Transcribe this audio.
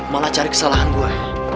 malah cari kesalahan gua